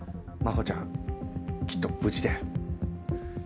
真帆ちゃんきっと無事だよ。